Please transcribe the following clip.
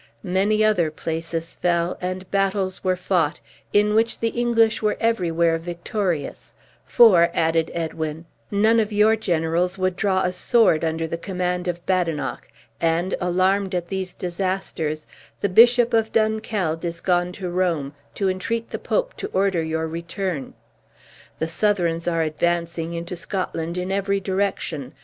Many other places fell, and battles were fought, in which the English were everywhere victorious; for," added Edwin, "none of your generals would draw a sword under the command of Badenoch; and, alarmed at these disasters, the Bishop of Dunkeld is gone to Rome, to entreat the Pope to order your return. The Southrons are advancing into Scotland in every direction.